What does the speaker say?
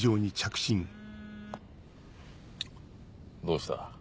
どうした？